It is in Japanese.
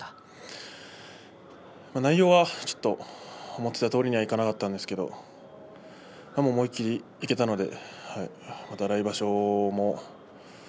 内容は思っていたとおりにはいかなかったんですが思い切りいけたのでまた来場所も